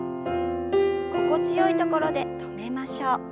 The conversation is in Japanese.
心地よいところで止めましょう。